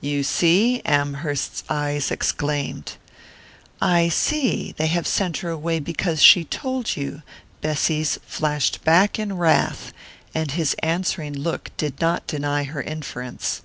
"You see?" Amherst's eyes exclaimed; "I see they have sent her away because she told you," Bessy's flashed back in wrath, and his answering look did not deny her inference.